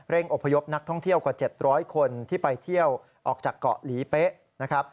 อพยพนักท่องเที่ยวกว่า๗๐๐คนที่ไปเที่ยวออกจากเกาะหลีเป๊ะนะครับ